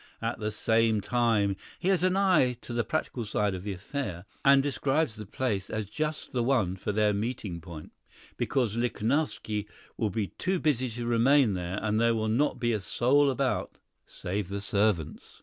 At the same time he has an eye to the practical side of the affair, and describes the place as just the one for their meeting point, because Lichnowsky will be too busy to remain there, and there will not be a soul about, save the servants.